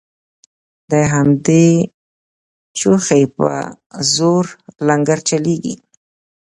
د همدې چوخې په زور لنګرچلیږي